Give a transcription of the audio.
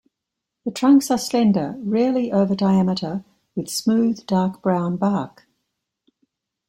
The trunks are slender, rarely over diameter, with smooth, dark brown bark.